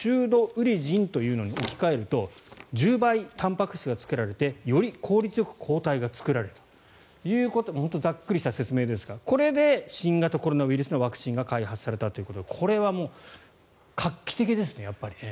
ウリジンというのに置き換えると１０倍、たんぱく質が作られてより効率よく抗体が作られるという本当にざっくりした説明ですがこれで新型コロナウイルスのワクチンが開発されたということでこれは画期的ですねやっぱりね。